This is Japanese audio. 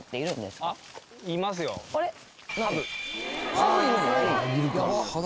ハブいるの？